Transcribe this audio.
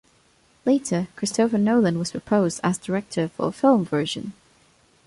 Later, Christopher Nolan was proposed as director for a film version.